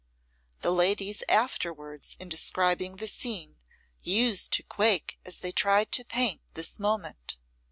The ladies afterwards in describing the scene used to quake as they tried to paint this moment.